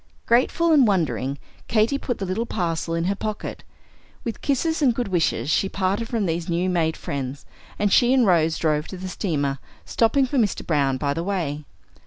Grateful and wondering, Katy put the little parcel in her pocket. With kisses and good wishes she parted from these new made friends, and she and Rose drove to the steamer, stopping for Mr. Browne by the way.